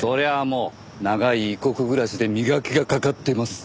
もう長い異国暮らしで磨きがかかってます。